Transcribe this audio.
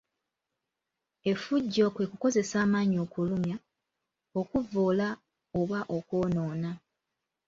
Effujjo kwe kukozesa amaanyi okulumya, okuvvoola, oba okwonoona.